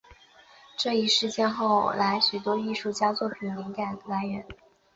这一事件后来成为许多艺术作品的灵感来源。